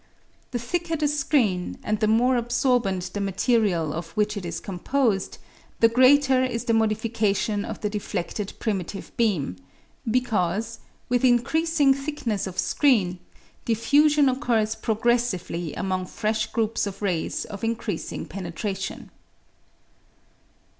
The thicker the Radio active Substances. screen, and the more absorbent the material of which it is composed, the greater is the modification of the defleded primitive beam, because, with increasing thickness of screen, diffusion occurs progressively among fresh groups of rays of increasing penetration.